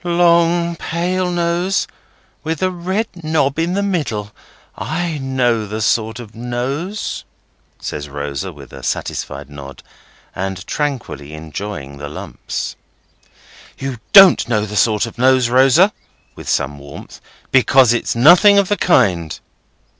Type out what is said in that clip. "Long pale nose, with a red knob in the middle. I know the sort of nose," says Rosa, with a satisfied nod, and tranquilly enjoying the Lumps. "You don't know the sort of nose, Rosa," with some warmth; "because it's nothing of the kind."